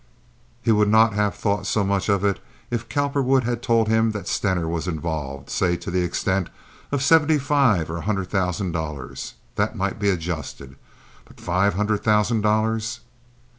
He would not have thought so much of it if Cowperwood had told him that Stener was involved, say, to the extent of seventy five or a hundred thousand dollars. That might be adjusted. But five hundred thousand dollars!